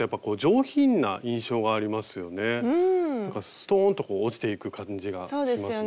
ストンとこう落ちていく感じがしますもんね。